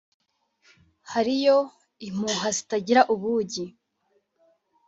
hariyo impuha zitagira ubugi